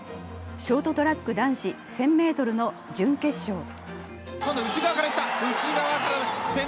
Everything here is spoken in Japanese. ショートトラック男子１０００ｍの準決勝。